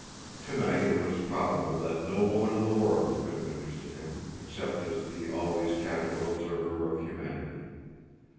Tonight it was probable that no woman in the world could have interested him, except as the always casual observer of humanity.